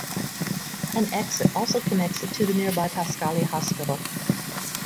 An exit also connects it to the nearby Pascale Hospital.